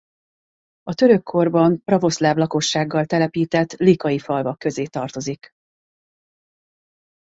A török korban pravoszláv lakossággal telepített likai falvak közé tartozik.